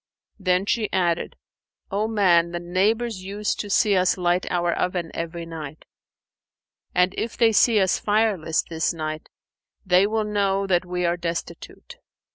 Then she added, "O man, the neighbours use to see us light our oven every night; and, if they see us fireless this night, they will know that we are destitute.